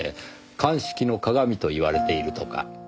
鑑識のかがみと言われているとか。